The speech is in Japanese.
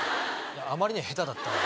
あまりに下手だったんで。